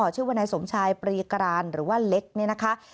ชื่อว่านายสมชายปรีกรานหรือว่าเล็กเนี่ยนะคะ